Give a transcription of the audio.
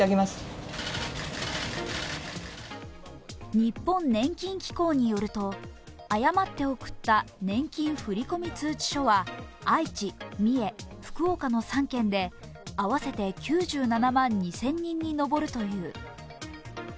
日本年金機構によると、誤って送った年金振込通知書は愛知、三重、福岡の３県で合わせて９７万２０００人に上るという。